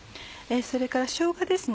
それからしょうがです。